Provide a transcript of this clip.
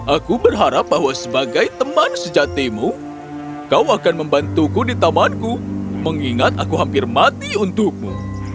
aku berharap bahwa sebagai teman sejatimu kau akan membantuku di tamanku mengingat aku hampir mati untukmu